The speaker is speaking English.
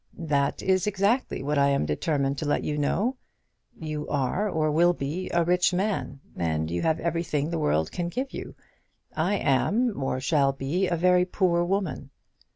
"That is exactly what I am determined to let you know. You are, or will be, a rich man, and you have everything the world can give you. I am, or shall be, a very poor woman."